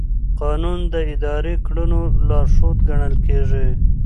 قانون د اداري کړنو لارښود ګڼل کېږي.